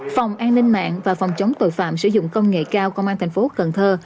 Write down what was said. phòng an ninh mạng và phòng chống tội phạm sử dụng công nghệ cao công an thành phố cần thơ